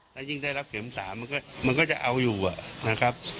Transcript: ถ้ายิ่งได้รับเข็ม๓มันก็จะเอาอยู่นะครับ